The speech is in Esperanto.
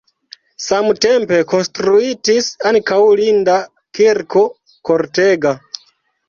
Samtempe konstruitis ankaŭ linda kirko kortega.